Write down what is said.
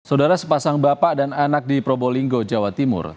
saudara sepasang bapak dan anak di probolinggo jawa timur